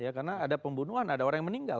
karena ada pembunuhan ada orang yang meninggal